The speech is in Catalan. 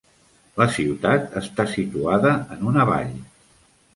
La ciutat està situada en una vall.